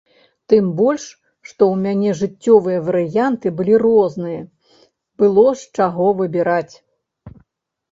Тым больш, што ў мяне жыццёвыя варыянты былі розныя, было з чаго выбіраць.